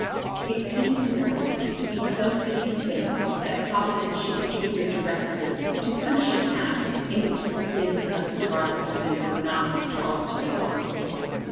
It seemed to them to be so fitting a thing that Providence should interfere directly to punish a town in which the sins of the scarlet woman were not held to be abominable!